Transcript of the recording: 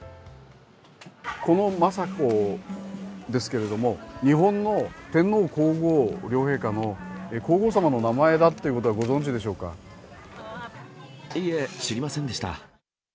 このマサコですけれども、日本の天皇皇后両陛下の、皇后さまの名前だっていうことはご存じいいえ、知りませんでした。